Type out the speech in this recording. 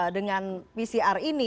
dengan pcr ini